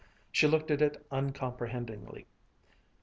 She looked at it uncomprehendingly.